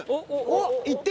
おっ？